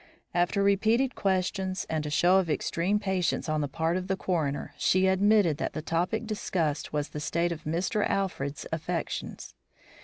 After repeated questions and a show of extreme patience on the part of the coroner, she admitted that the topic discussed was the state of Mr. Alfred's affections.